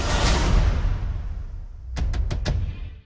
โปรดติดตามตอนต่อไป